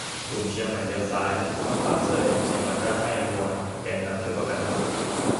กลุ่มเชียงใหม่เลี้ยวซ้าย : ผู้ต้องขังเสื้อแดงเชียงใหม่ร่ำไห้วอนแกนนำช่วยประกันตัว